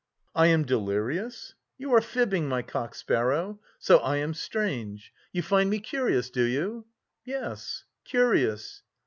"I am delirious? You are fibbing, my cock sparrow! So I am strange? You find me curious, do you?" "Yes, curious."